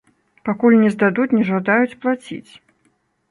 Пакуль не здадуць, не жадаюць плаціць!